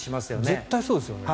絶対にそうですよね。